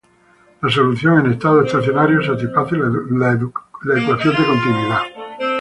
La solución en estado estacionario satisface la ecuación de continuidad.